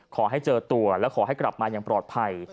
ขอให้เจอตัวและขอให้กลับมาอย่างปลอดภัย